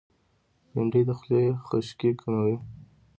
بېنډۍ د خولې خشکي کموي